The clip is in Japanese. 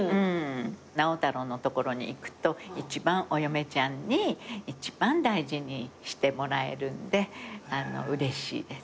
直太朗の所に行くとお嫁ちゃんに一番大事にしてもらえるんでうれしいです。